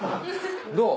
どう？